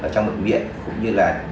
trong bệnh viện